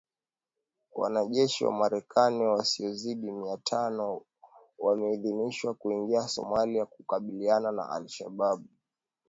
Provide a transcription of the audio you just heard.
Wanajeshi wa Marekani wasiozidi mia tano wameidhinishwa kuingia Somalia kukabiliana na Al Shabaab